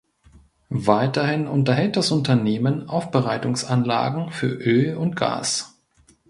Weiterhin unterhält das Unternehmen Aufbereitungsanlagen für Öl und Gas.